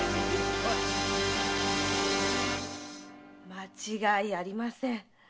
間違いありません。